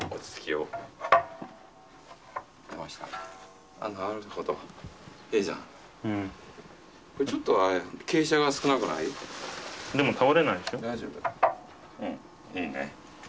うんいいね。